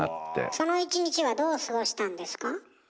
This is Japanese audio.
その一日はどう過ごしたんですか？